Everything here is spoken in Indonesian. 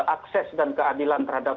akses dan keadilan terhadap